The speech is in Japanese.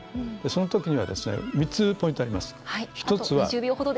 そのときには３つポイントあります。